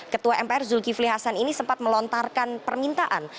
ketua mpr zulkifli hasan ini sempat melontarkan permintaan